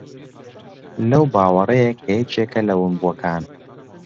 لەو باوەڕەیە کە یەکێکە لە ونبووەکان